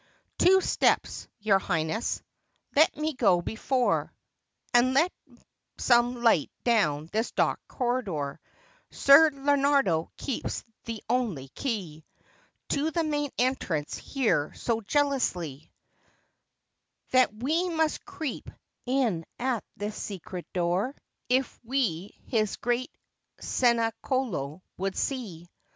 ] Two steps, your Highness, — let me go before, And let some light down this dark corridor, — Ser Leonardo keeps the only key To the main entrance here so jealously, 94 LUDOVICO SFORZA AND DA VINCI That we must creep in at this secret door If we his great Cenacolo would see.